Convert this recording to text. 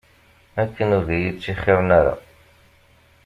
Akken ur d iyi-ttixiṛen ara.